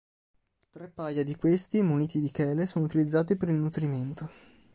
Tre paia di questi, muniti di chele, sono utilizzati per il nutrimento.